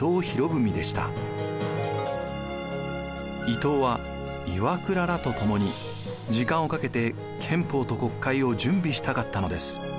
伊藤は岩倉らとともに時間をかけて憲法と国会を準備したかったのです。